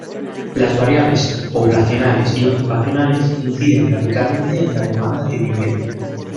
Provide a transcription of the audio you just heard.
Las variables poblacionales y ocupacionales inciden radicalmente en la demanda de vivienda.